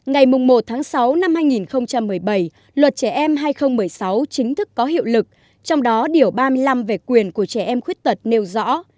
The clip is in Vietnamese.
ngày một sáu hai nghìn một mươi bảy luật trẻ em hai nghìn một mươi sáu chính thức có hiệu lực trong đó điều ba mươi năm về quyền của trẻ em khuyết tật nêu rõ